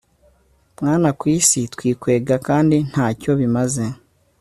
Mwana kwisi twikwega kandi ntacyo bimaze